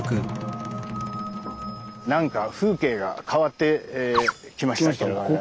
なんか風景が変わってきましたけれど。